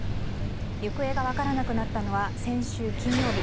行方が分からなくなったのは先週金曜日。